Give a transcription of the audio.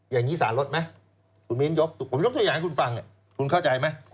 ยังงี้สาหรัสไหมคุณหมีนยกอยากให้คุณฟังคุณเข้าใจไหม